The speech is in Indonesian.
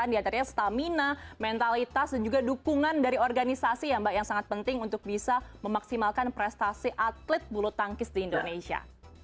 diantaranya stamina mentalitas dan juga dukungan dari organisasi ya mbak yang sangat penting untuk bisa memaksimalkan prestasi atlet bulu tangkis di indonesia